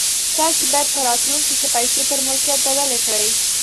تاسې بايد په راتلونکي کې پيسې پر ملکيت بدلې کړئ.